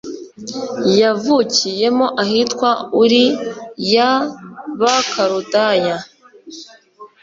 yavukiyemo ahitwa uri y’abakaludaya